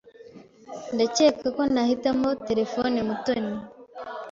Ndakeka ko nahitamo telefone Mutoni.